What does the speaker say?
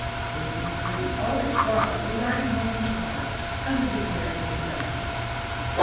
Susy and Prudy, all this while, were riding home in the cars, under the care of the conductor.